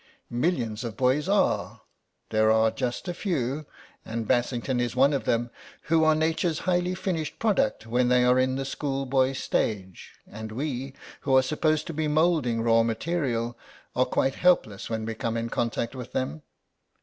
"Millions of boys are. There are just a few, and Bassington is one of them, who are Nature's highly finished product when they are in the schoolboy stage, and we, who are supposed to be moulding raw material, are quite helpless when we come in contact with them."